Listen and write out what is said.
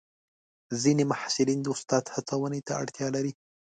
ځینې محصلین د استاد هڅونې ته اړتیا لري.